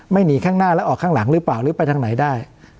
หนีข้างหน้าแล้วออกข้างหลังหรือเปล่าหรือไปทางไหนได้